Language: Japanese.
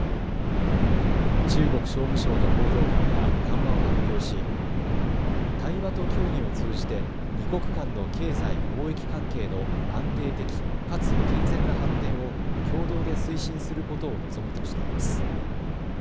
中国商務省の報道官は談話を発表し対話と協議を通じて２国間の経済・貿易関係の安定的かつ健全な発展を共同で推進することを望むとしています。